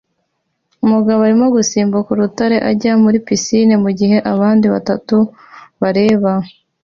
Umugabo arimo asimbuka urutare ajya muri pisine mugihe abandi batatu bareba